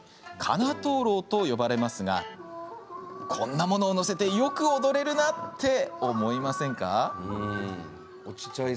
金灯籠と呼びますがよくこんなのを載せて踊れるなって思いませんか？